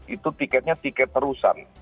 itu tiketnya tiket perusan